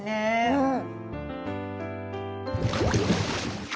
うん。